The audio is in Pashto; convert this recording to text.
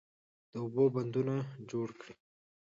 د اوبو بندونه جوړ کړئ.